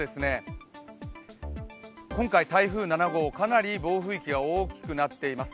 今回、台風７号かなり暴風域が大きくなっています。